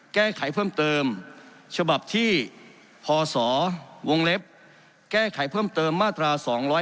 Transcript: แก้ไขเพิ่มเติมฉบับที่พศวงเล็บแก้ไขเพิ่มเติมมาตรา๒๗